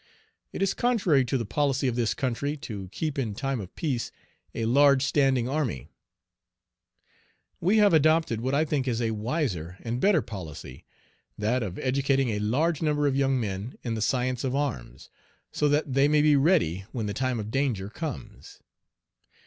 It is contrary to the policy of this country to keep in time of peace a large standing army We have adopted what I think is a wiser and better policy that of educating a large number of young men in the science of arms, so that they may be ready when the time of danger comes.